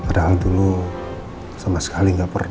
padahal dulu sama sekali nggak pernah